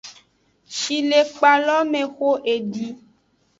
Shilekpa lo me xo edi.